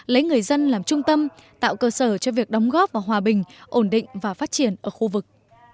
lấy người dân làm trung tâm tạo cơ sở cho việc đóng góp vào hòa bình ổn định và phát triển ở khu vực